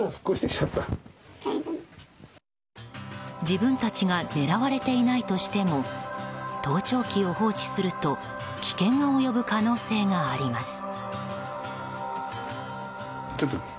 自分たちが狙われていないとしても盗聴器を放置すると危険が及ぶ可能性があります。